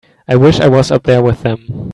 I wish I was up there with them.